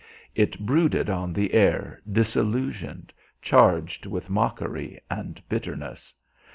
It brooded on the air, disillusioned, charged with mockery and bitterness.